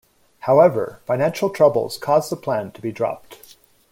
However, financial troubles caused the plan to be dropped.